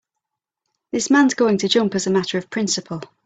This man's going to jump as a matter of principle.